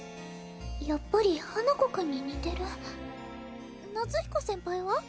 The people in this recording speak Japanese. やっぱり花子くんに似てる夏彦先輩は？